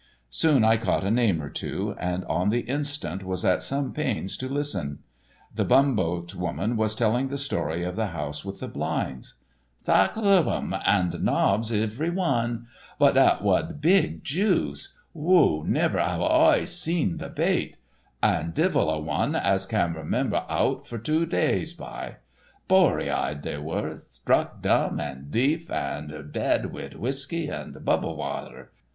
Soon I caught a name or two, and on the instant was at some pains to listen. The bum boat woman was telling the story of the house with the blinds: "Sax of um, an' nobs ivry wan. But that bad wid bug juice! Whoo! Niver have Oi seen the bate! An' divil a wan as can remimber owt for two days by. Bory eyed they were; struck dumb an' deef an' dead wid whiskey and bubble wather.